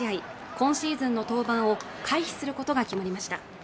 今シーズンの登板を回避することが決まりました